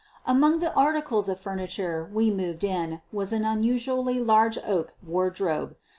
Among the articles of furniture we moved in was an unusually large oak wardrobe.